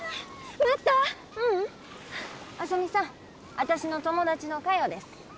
私の友達の嘉代です。